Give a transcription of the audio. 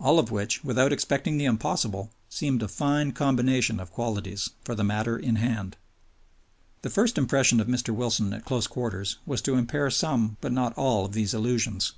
All of which, without expecting the impossible, seemed a fine combination of qualities for the matter in hand. The first impression of Mr. Wilson at close quarters was to impair some but not all of these illusions.